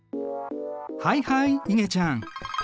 はいはいいげちゃん。